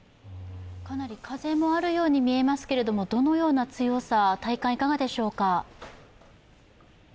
かなり風もあるように見えますけれども、どのような強さ、体感、いかがでしょうか？